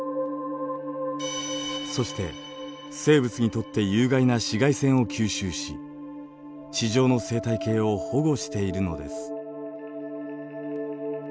そして生物にとって有害な紫外線を吸収し地上の生態系を保護しているのです。